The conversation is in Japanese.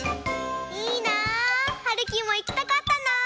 いいな！はるきもいきたかったな！